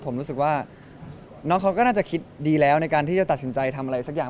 ผมรู้สึกว่าน้องเขาก็น่าจะคิดดีแล้วในการที่จะตัดสินใจทำอะไรสักอย่าง